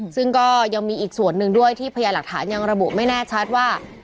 ซึ่งก็ยังมีอีกส่วนหนึ่งด้วยที่พยาหลักฐานยังระบุไม่แน่ชัดว่า